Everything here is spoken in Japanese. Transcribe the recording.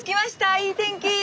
いい天気！